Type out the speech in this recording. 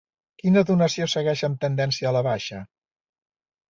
Quina donació segueix amb tendència a la baixa?